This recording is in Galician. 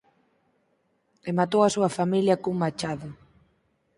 ...e matou á súa familia cun machado.